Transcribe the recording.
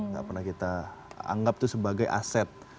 gak pernah kita anggap itu sebagai aset